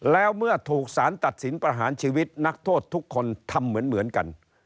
แล้วเมื่อถูกสารตัดสินประหารชีวิตนักโทษทุกคนทำเหมือนกัน